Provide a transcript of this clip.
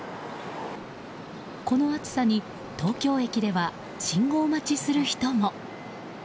この暑さに東京駅では信号待ちする人も。